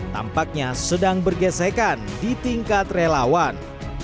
tampaknya sedang bergesekan di tingkat relawan